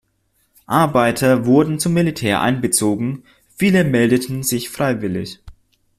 Arbeiter wurden zum Militär einbezogen, viele meldeten sich freiwillig.